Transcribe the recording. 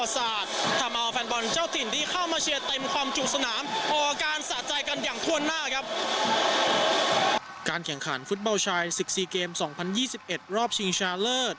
สิบสี่เกมสองพันยี่สิบเอ็ดรอบชิงชาเลิศ